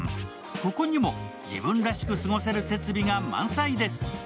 ここにも自分らしく過ごせる設備が満載です。